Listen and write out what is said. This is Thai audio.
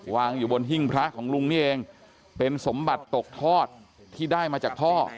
วางอยู่บนหิ้งพระของลุงนี่เองเป็นสมบัติตกทอดที่ได้มาจากพ่อ